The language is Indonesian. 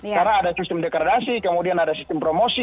karena ada sistem dekredasi kemudian ada sistem progresi